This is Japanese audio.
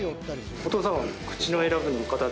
お父さんは。